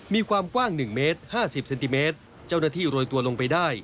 มีความกว้าง๑เมตร๕๐เซนติเมตรเจ้าหน้าที่โรยตัวลงไปได้